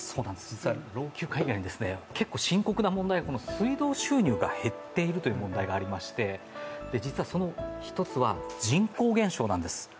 実は老朽化以外に結構深刻な問題が水道収入が減っているという問題がありまして実はその１つは人口減少なんです。